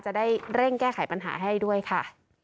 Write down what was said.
จะได้เร่งแก้ไขปัญหาให้ด้วยค่ะ